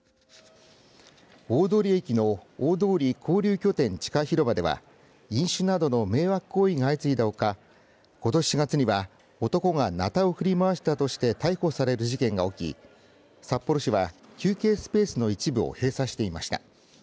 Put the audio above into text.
大通駅の大通交流拠点地下広場では飲酒などの迷惑行為が相次いだほかことし４月には男がなたを振り回したとして逮捕される事件が起き札幌市は休憩スペースの一部を閉鎖していました。